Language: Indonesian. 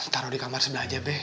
taruh di kamar sebelah aja deh